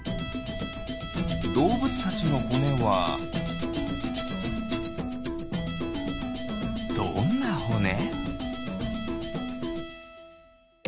どうぶつたちのほねはどんなほね？